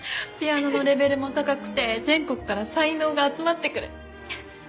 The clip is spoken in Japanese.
ピアノのレベルも高くて全国から才能が集まってくる。